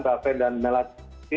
bafen dan melati